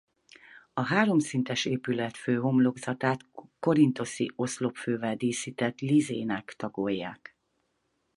A háromszintes épület főhomlokzatát korinthoszi oszlopfővel díszített lizénák tagolják.